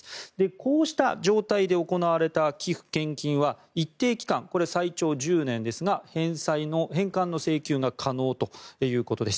こうした状態で行われた寄付・献金は、一定期間これは最長１０年ですが返還請求が可能ということです。